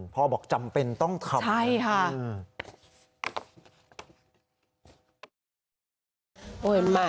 พ่อบอกจำเป็นต้องทำ